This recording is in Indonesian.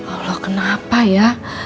allah kenapa ya